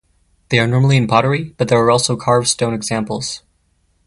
They are normally in pottery, but there are also carved stone examples.